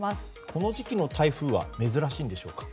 この時期の台風は珍しいんでしょうか？